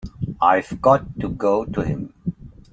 I've got to go to him.